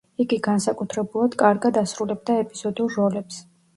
იგი განსაკუთრებულად კარგად ასრულებდა ეპიზოდურ როლებს.